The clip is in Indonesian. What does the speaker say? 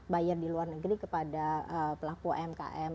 buyer di luar negeri kepada pelaku umkm